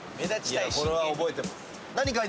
これは覚えてます。